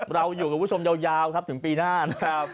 เราอยู่กับคุณผู้ชมยาวครับถึงปีหน้านะครับ